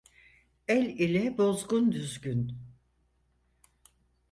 El ile bozgun düzgün.